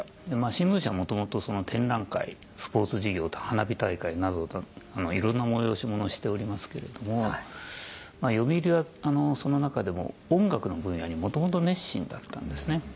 新聞社は元々展覧会スポーツ事業と花火大会などいろんな催し物をしておりますけれども読売はその中でも音楽の分野に元々熱心だったんですね。